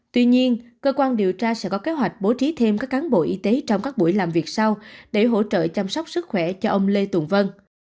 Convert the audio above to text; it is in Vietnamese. tuy nhiên cơ quan điều tra sẽ có kế hoạch bố trí thêm các cán bộ y tế trong các buổi làm việc sau để hỗ trợ chăm sóc sức khỏe cho ông lê tùng vân